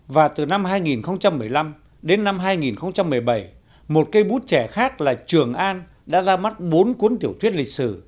và từ năm hai nghìn một mươi năm đến năm hai nghìn một mươi bảy một cây bút trẻ khác là trường an đã ra mắt bốn cuốn tiểu thuyết lịch sử